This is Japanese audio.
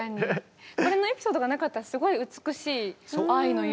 これのエピソードがなかったらすごい美しい「愛の夢」